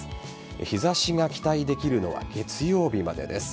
日差しが期待できるのは月曜日までです。